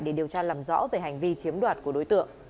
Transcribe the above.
để điều tra làm rõ về hành vi chiếm đoạt của đối tượng